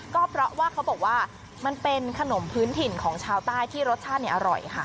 ก็เพราะว่าเขาบอกว่ามันเป็นขนมพื้นถิ่นของชาวใต้ที่รสชาติอร่อยค่ะ